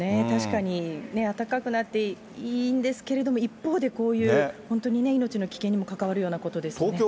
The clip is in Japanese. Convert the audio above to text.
確かに、暖かくなって医院ですけれども、一方で、こういう、本当に命の危険にも関わることですね。